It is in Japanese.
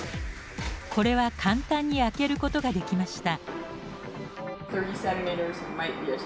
これは簡単に開けることができました。